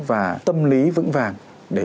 và tâm lý vững vàng để